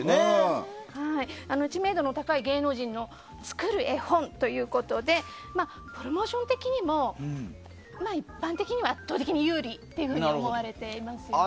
知名度の高い芸能人の作る絵本ということでプロモーション的にも圧倒的に有利と思われていますよね。